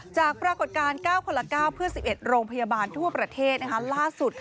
ปรากฏการณ์๙คนละ๙เพื่อ๑๑โรงพยาบาลทั่วประเทศล่าสุด